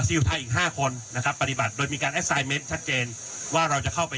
ซีอิลไทยอีกห้าคนนะครับปฏิบัติโดยมีการชัดเจนว่าเราจะเข้าไป